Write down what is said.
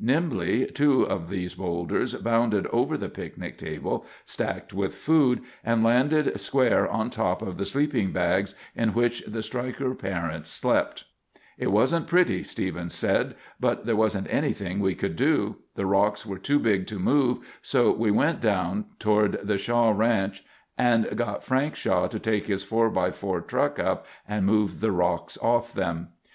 Nimbly, two of these boulders bounded over the picnic table, stacked with food, and landed squarely on top of the sleeping bags in which the Stryker parents slept. [Illustration: Cliff Lake tragedy—another view. (U. S. Forest Service)] "It wasn't pretty," Stevens said. "But there wasn't anything we could do. The rocks were too big to move, so we went down toward the Shaw Ranch and got Frank Shaw to take his 4×4 truck up and move the rocks off them.